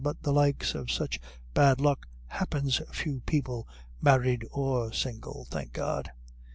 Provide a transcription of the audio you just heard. "But the likes of such bad luck happins few people married or single, thank God."